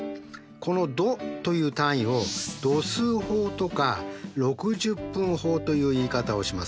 この度という単位を度数法とか６０分法という言い方をします。